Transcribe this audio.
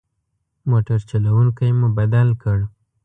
موټر چلوونکی مو بدل کړ.